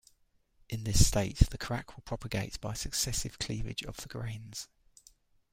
In this state, the crack will propagate by successive cleavage of the grains.